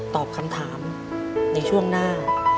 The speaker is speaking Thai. ตอบคำถามในช่วงหน้า